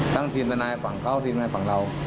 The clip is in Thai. ทีมทนายฝั่งเขาทีมงานฝั่งเรา